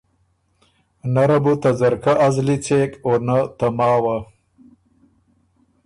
نۀ ره بو ته ځرکۀ ا زلی څېک او نۀ ته ماوه۔